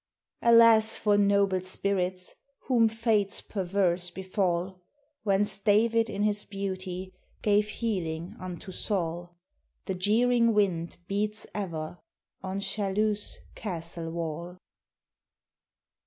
Alas for noble spirits Whom fates perverse befall! Whence David in his beauty Gave healing unto Saul, The jeering wind beats ever On Chaluz castle wall.